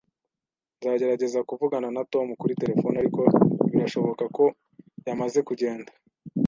Nzagerageza kuvugana na Tom kuri terefone, ariko birashoboka ko yamaze kugenda.